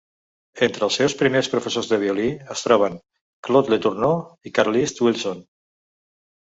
Entre els seus primers professors de violí es troben Claude Letourneau i Carlisle Wilson.